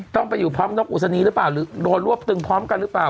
ต้องไปอยู่พร้อมนกอุศนีหรือเปล่าหรือโดนรวบตึงพร้อมกันหรือเปล่า